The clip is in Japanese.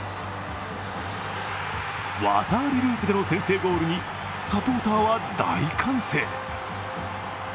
技ありループでの先制ゴールにサポーターは大歓声。